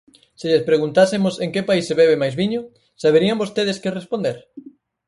Se lles preguntásemos en que país se bebe máis viño, ¿saberían vostedes que responder?